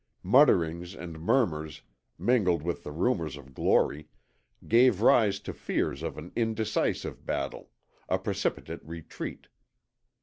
Mutterings and murmurs, mingling with the rumours of glory, gave rise to fears of an indecisive battle, a precipitate retreat.